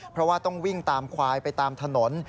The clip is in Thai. เพราะว่าต้องวิ่งตามควายไปตามถนน